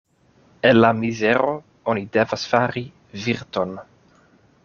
El la mizero oni devas fari virton.